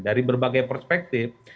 dari berbagai perspektif